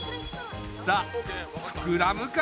さあふくらむかな？